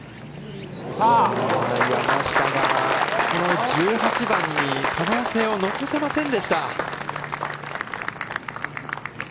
山下が、この１８番に可能性を残せませんでした。